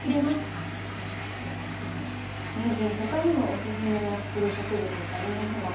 名人他にもおすすめのつる植物ってありますか？